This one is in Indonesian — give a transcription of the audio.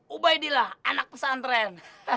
ubaidilah anak pesantren